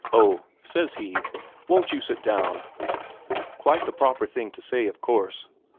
'Oh,' says he, 'won't you sit down?' Quite the proper thing to say, of course.